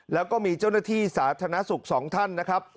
แล้วก็มีเจ้าหน้าที่สาธารณสุขสองท่านนะครับ